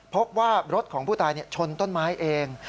พบว่ารถของผู้ตายชนต้นไม้เอง